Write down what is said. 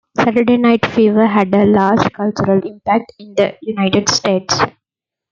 "Saturday Night Fever" had a large cultural impact in the United States.